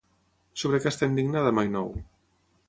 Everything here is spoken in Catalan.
Sobre què està indignada Maynou?